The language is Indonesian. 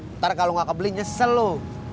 ntar kalau gak kebeli nyesel lo